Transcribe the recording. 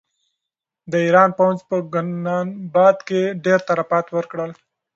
د ایران پوځ په ګلناباد کې ډېر تلفات ورکړل.